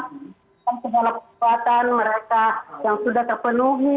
dalam segala perbuatan mereka yang sudah terpenuhi